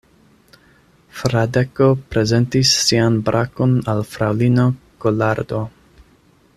Fradeko prezentis sian brakon al fraŭlino Kolardo.